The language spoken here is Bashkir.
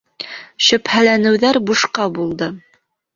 Шөбһәләнеүҙәр бушҡа булды.